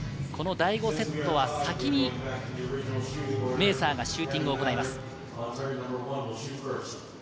第５セットは先にメーサーがシューティングを行います。